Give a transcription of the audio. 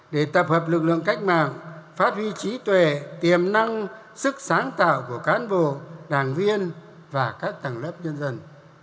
để tập hợp lực lượng cách mạng phát huy trí tuệ tiềm năng sức sáng tạo của cán bộ đảng viên và các tầng lớp nhân dân